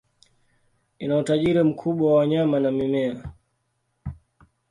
Ina utajiri mkubwa wa wanyama na mimea.